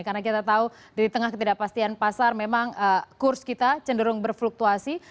karena kita tahu di tengah ketidakpastian pasar memang kurs kita cenderung berfluktuasi